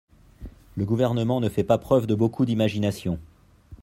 Le Gouvernement ne fait pas preuve de beaucoup d’imagination.